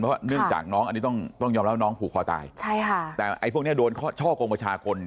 เพราะว่าเนื่องจากน้องอันนี้ต้องต้องยอมรับน้องผูกคอตายใช่ค่ะแต่ไอ้พวกนี้โดนช่อกงประชาชน